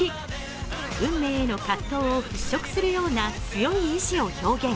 運命への葛藤を払拭するような強い意思を表現。